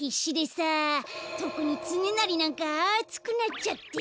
とくにつねなりなんかあつくなっちゃって。